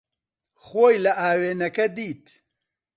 خۆی لە ئاوێنەکە دیت.